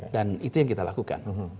dan itu yang kita lakukan